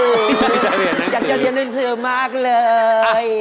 อยากจะเรียนหนังสือมากเลย